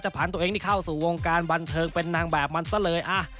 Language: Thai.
ผ่านตัวเองนี่เข้าสู่วงการบันเทิงเป็นนางแบบมันซะเลย